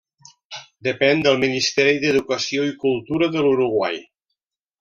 Depèn del Ministeri d'Educació i Cultura de l'Uruguai.